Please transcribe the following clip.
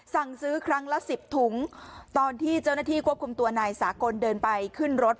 สั่งซื้อครั้งละสิบถุงตอนที่เจ้าหน้าที่ควบคุมตัวนายสากลเดินไปขึ้นรถ